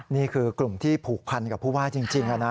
นี่คือกลุ่มที่ผูกพันกับผู้ว่าจริงนะ